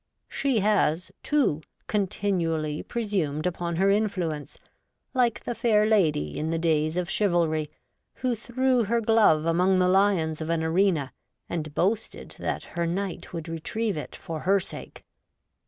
She has, too, continually presumed upon her influence, like the fair lady in the days of chivalry, who threw her glove among the lions of an arena and boasted that her knight would retrieve it for her sake.